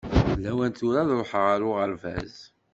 D lawan tura ad ṛuḥeɣ ar uɣerbaz.